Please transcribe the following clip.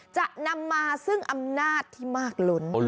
จะนำมาซึ่งอำนาจที่มากล้น